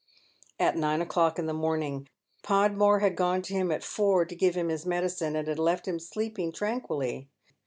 "At nine o'clock in the morning. Podmore had gone to him at four to give him his medicine, and had left him sleeping tranquilly.